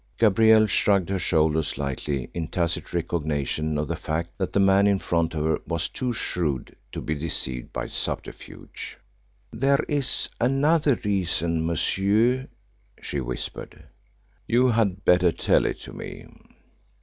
Gabrielle shrugged her shoulders slightly in tacit recognition of the fact that the man in front of her was too shrewd to be deceived by subterfuge. "There is another reason, monsieur," she whispered. "You had better tell it to me."